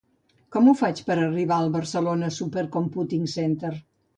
Com ho faig per arribar al Barcelona Supercomputing Center?